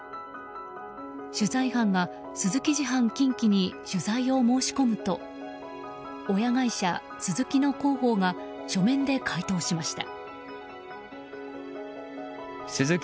取材班が、スズキ自販近畿に取材を申し込むと親会社スズキの広報が書面で回答しました。